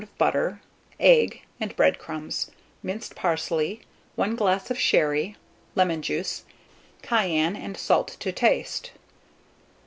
of butter, egg, and bread crumbs, minced parsley, 1 glass of sherry, lemon juice; cayenne and salt to taste.